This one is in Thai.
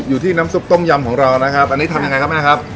อยู่ที่น้ำซุปต้มยำของเรานะครับอันนี้ทำยังไงครับแม่ครับ